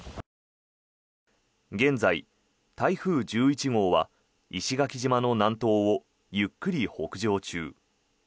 現在、台風１１号は石垣島の南東をゆっくり北上中。